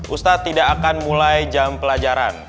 ustadz tidak akan mulai jam pelajaran